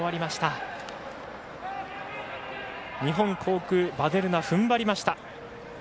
日本航空、ヴァデルナ踏ん張りました。